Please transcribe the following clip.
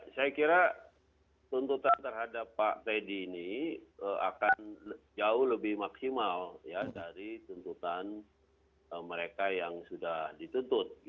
saya kira tuntutan terhadap pak teddy ini akan jauh lebih maksimal ya dari tuntutan mereka yang sudah dituntut